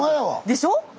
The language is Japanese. でしょ？